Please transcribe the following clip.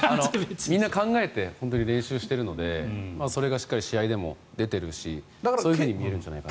みんな考えて練習してるのでそれがしっかり試合でも出ているしそういうふうに見えるんじゃないかと。